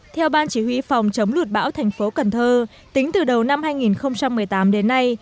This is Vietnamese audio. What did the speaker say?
theo ban chỉ huy phòng chống lụt bão thành phố cần thơ tính từ đầu năm hai nghìn một mươi tám đến nay